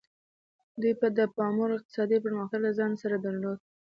دوی د پاموړ اقتصادي پرمختګ له ځان سره درلود.